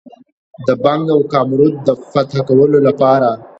د بنګ او کامرود د فتح کولو لپاره.